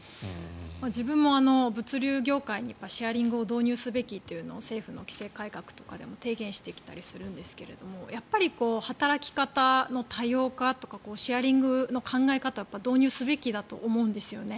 自分も物流業界にシェアリングを導入すべきというのを政府の規制改革でも提言したりしてるんですがやっぱり、働き方の多様化というシェアリングの考え方を導入すべきだと思うんですよね。